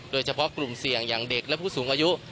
โดยเฉพาะกลุ่มเสี่ยงอย่างเด็กและผู้สูงอายุ